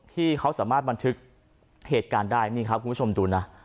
ที่เขาสามารถบันทึกเหตุการณ์ได้นี่ครับคุณผู้ชมดูนะ